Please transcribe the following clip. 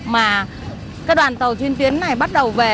mà các đoàn tàu chuyên tuyến này bắt đầu về